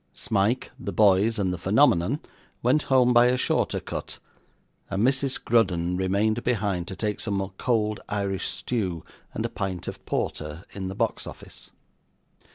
Smike, the boys, and the phenomenon, went home by a shorter cut, and Mrs Grudden remained behind to take some cold Irish stew and a pint of porter in the box office.